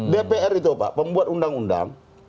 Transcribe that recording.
dpr itu pak pembuat undang undang